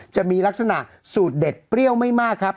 จะมีลักษณะสูตรเด็ดเปรี้ยวไม่มากครับ